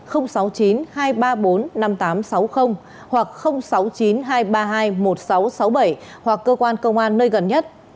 hoặc sáu mươi chín hai trăm ba mươi hai một nghìn sáu trăm sáu mươi bảy hoặc cơ quan công an nơi gần nhất